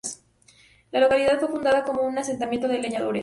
La localidad fue fundada como una asentamiento de leñadores.